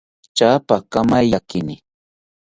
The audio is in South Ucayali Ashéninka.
Tyapa kamaiyakini